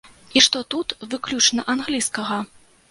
І што тут выключна англійскага?